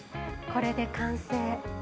これで完成。